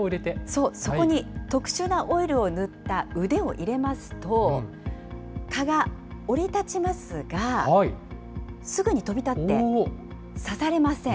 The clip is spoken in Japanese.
そう、そこに特殊なオイルを塗った腕を入れますと、蚊が降り立ちますが、すぐに飛び立って、刺されません。